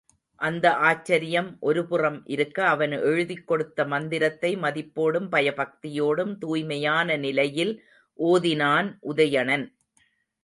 அந்த ஆச்சரியம் ஒருபுறம் இருக்க, அவன் எழுதிக் கொடுத்த மந்திரத்தை மதிப்போடும் பயபக்தியோடும் தூய்மையான நிலையில் ஓதினான் உதயணன்.